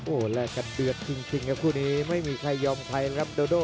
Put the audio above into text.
โอ้โหแลกกันเดือดจริงครับคู่นี้ไม่มีใครยอมใครนะครับโดโด